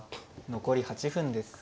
残り８分です。